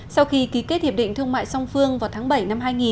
sau khi ký kết hiệp định thương mại song phương vào tháng bảy năm hai nghìn